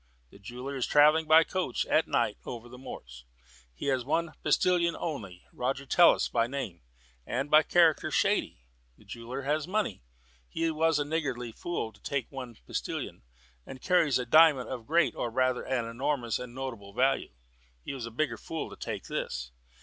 The jeweller is travelling by coach at night over the moors. He has one postillion only, Roger Tallis by name, and by character shady. The jeweller has money (he was a niggardly fool to take only one postillion), and carries a diamond of great, or rather of an enormous and notable value (he was a bigger fool to take this).